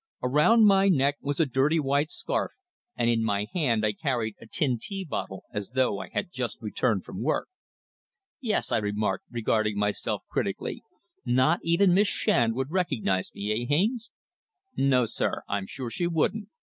Around my neck was a dirty white scarf and in my hand I carried a tin tea bottle as though I had just returned from work. "Yes," I remarked, regarding myself critically. "Not even Miss Shand would recognise me eh, Haines?" "No, sir. I'm sure she wouldn't.